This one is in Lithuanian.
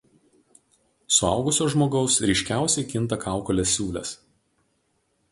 Suaugusio žmogaus ryškiausiai kinta kaukolės siūlės.